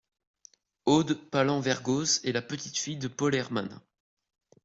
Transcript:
Aude Palant-Vergoz est la petite-fille de Paul Hermann.